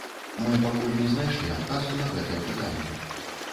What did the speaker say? Мы пакуль не знайшлі адказу на гэтае пытанне.